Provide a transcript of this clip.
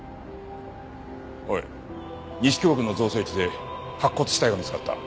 おい西京区の造成地で白骨死体が見つかった。